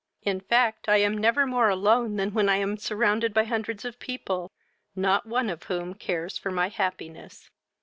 In fact, I am never more alone than when I am surrounded by hundreds of people, not one of whom cares for my happiness.